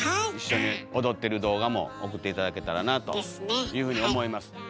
一緒に踊ってる動画も送って頂けたらなというふうに思います。